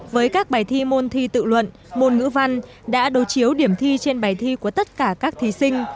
với các bài thi môn thi tự luận môn ngữ văn đã đối chiếu điểm thi trên bài thi của tất cả các thí sinh